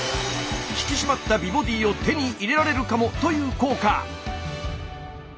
引き締まった美ボディーを手に入れられるかもという効果！